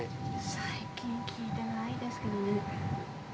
最近聞いてないですけどね。